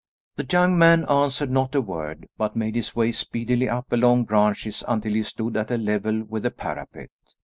The young man answered not a word, but made his way speedily up along the branches until he stood at a level with the parapet.